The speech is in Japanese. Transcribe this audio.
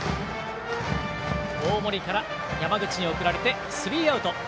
大森から山口に送られてスリーアウト。